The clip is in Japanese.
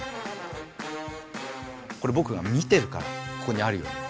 これぼくが見てるからここにあるように。